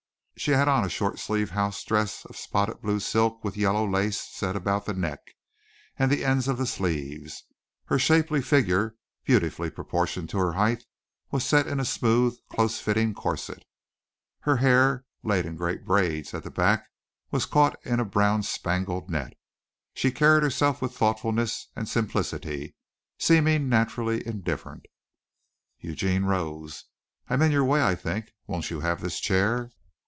She had on a short sleeved house dress of spotted blue silk with yellow lace set about the neck and the ends of the sleeves. Her shapely figure, beautifully proportioned to her height, was set in a smooth, close fitting corset. Her hair, laid in great braids at the back, was caught in a brown spangled net. She carried herself with thoughtfulness and simplicity, seeming naturally indifferent. Eugene rose. "I'm in your way, I think. Won't you have this chair?"